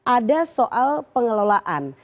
ada soal pengelolaan